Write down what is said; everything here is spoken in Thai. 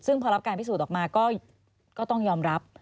ซึ่งพอรับการพิสูจน์ออกมาก็ต้องยอมรับ